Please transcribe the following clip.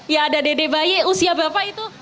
ya ada dede bayi usia bapak itu